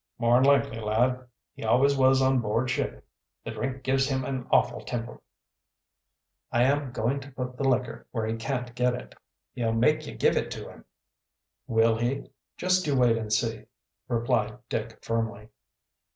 "More'n likely, lad he always was on board ship. The drink gives him an awful temper." "I am, going to put the liquor where he can't get it." "He'll make ye give it to him." "Will he? Just you wait and see," replied Dick firmly.